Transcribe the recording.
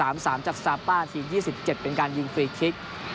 นาที๓๓จากซาป้านาที๒๗เป็นการยิงฟรีคลิก